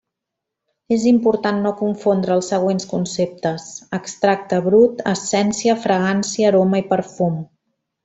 És important no confondre els següents conceptes: extracte brut, essència, fragància, aroma i perfum.